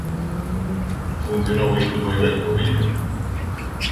Funcionou isto moi ben co viño.